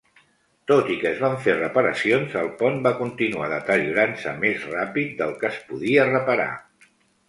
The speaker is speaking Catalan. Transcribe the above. Tot i que es van fer reparacions, el pont va continuar deteriorant-se més ràpid del que es podia reparar.